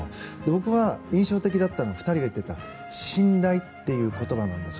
僕が印象的だったのは２人が言っていた信頼っていう言葉なんです。